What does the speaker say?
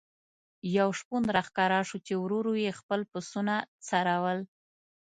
یو شپون را ښکاره شو چې ورو ورو یې خپل پسونه څرول.